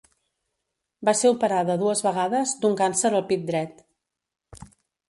Va ser operada dues vegades d'un càncer al pit dret.